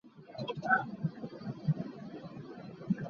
He has no relation to pitcher Juan Acevedo, as he is from Mexico.